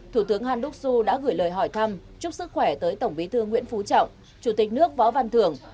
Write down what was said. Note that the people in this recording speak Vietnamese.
thủ tướng handoss su đã gửi lời hỏi thăm chúc sức khỏe tới tổng bí thư nguyễn phú trọng chủ tịch nước võ văn thưởng